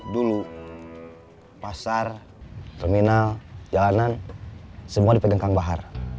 dulu pasar terminal jalanan semua dipegang kang bahar